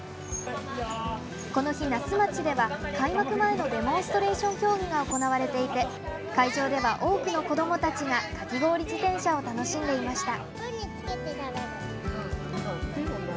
この日、那須町では開幕前のデモンストレーション競技が行われていて会場では多くの子どもたちがかき氷自転車を楽しんでいました。